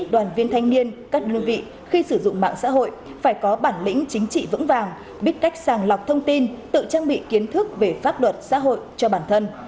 đoàn viên thanh niên các đơn vị khi sử dụng mạng xã hội phải có bản lĩnh chính trị vững vàng biết cách sàng lọc thông tin tự trang bị kiến thức về pháp luật xã hội cho bản thân